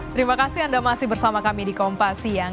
terima kasih anda masih bersama kami di kompas siang